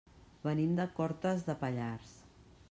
Venim de Cortes de Pallars.